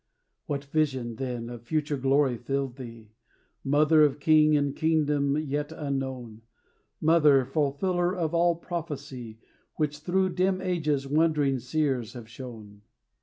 What visions, then, of future glory filled thee, Mother of King and kingdom yet unknown Mother, fulfiller of all prophecy, Which through dim ages wondering seers had shown!